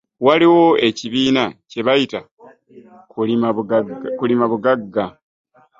Waliwo ekibiina kye bayita kulima buggaga